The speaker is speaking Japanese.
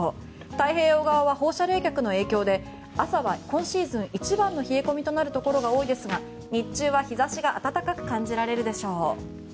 太平洋側は放射冷却の影響で朝は今シーズン一番の冷え込みとなるところが多いですが日中は日差しが暖かく感じられるでしょう。